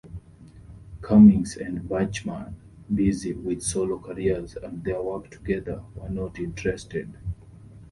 Cummings and Bachman, busy with solo careers and their work together, were not interested.